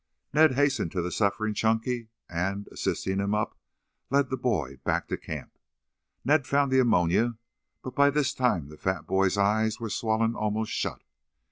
Ned hastened to the suffering Chunky and, assisting him up, led the boy back to the camp. Ned found the ammonia, but by this time the fat boy's eyes were swollen almost shut.